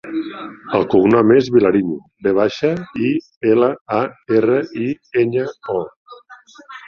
El cognom és Vilariño: ve baixa, i, ela, a, erra, i, enya, o.